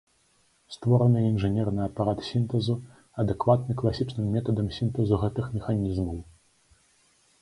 Створаны інжынерны апарат сінтэзу, адэкватны класічным метадам сінтэзу гэтых механізмаў.